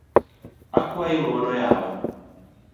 Akuayi ng’uono yawa